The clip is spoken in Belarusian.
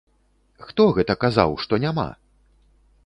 Хто гэта казаў, што няма?!